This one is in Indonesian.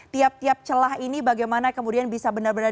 tiap tiap celah ini bagaimana kemudian bisa benar benar